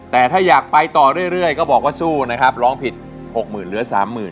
แต่ถ้าอยากไปต่อเรื่อยก็บอกว่าสู้นะครับร้องผิด๖๐๐๐เหลือ๓๐๐๐